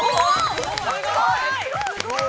◆すごい！